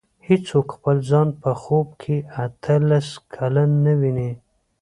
هېڅوک خپل ځان په خوب کې اته لس کلن نه ویني.